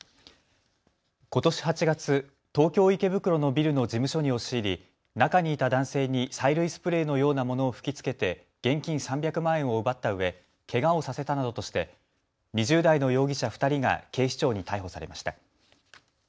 ことし８月、東京池袋のビルの事務所に押し入り中にいた男性に催涙スプレーのようなものを吹きつけて現金３００万円を奪ったうえけがをさせたなどとして２０代の容疑者２人が警視庁に逮捕されました。